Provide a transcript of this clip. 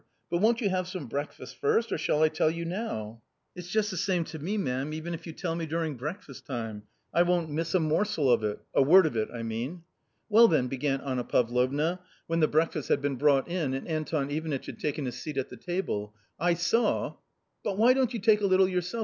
But won't you have some breakfast first, or shall I tell you now ?"" It's just the same to me, ma'am, even if you tell me during breakfast time; I won't miss a morsel of it — a word of it, I mean ?"" Well, then," began Anna Pavlovna, when the breakfast 240 A COMMON STORY had been brought in and Anton Ivanitch had taken his seat at the table, " I saw "" But why don't you take a little yourself?